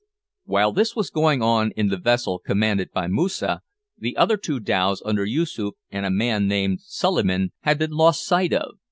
While this was going on in the vessel commanded by Moosa, the other two dhows under Yoosoof and a man named Suliman had been lost sight of.